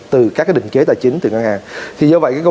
từ các định chế tài chính từ ngân hàng